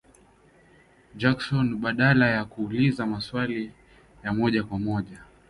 Jackson badala ya kuuliza maswali ya moja kwa moja